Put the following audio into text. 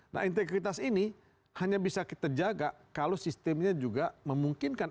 nah integritas ini hanya bisa kita jaga kalau sistemnya juga memungkinkan